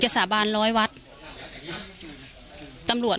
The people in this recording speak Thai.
การแก้เคล็ดบางอย่างแค่นั้นเอง